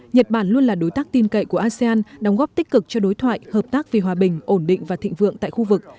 nhật bản luôn là đối tác tin cậy của asean đóng góp tích cực cho đối thoại hợp tác vì hòa bình ổn định và thịnh vượng tại khu vực